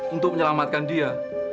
untuk menyelamatkan dia